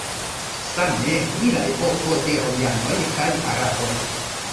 Same pri la epoko de romianoj kaj araboj.